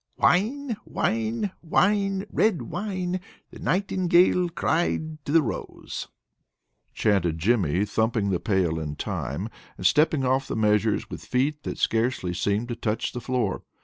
"Wine! Wine! Wine! Red Wine! The Nightingale cried to the rose," chanted Jimmy, thumping the pail in time, and stepping off the measures with feet that scarcely seemed to touch the floor.